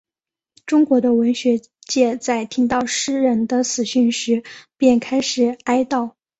中国的文学界在听到诗人的死讯时便开始哀悼。